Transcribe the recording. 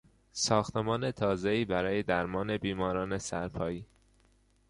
ساختمان تازهای برای درمان بیماران سرپایی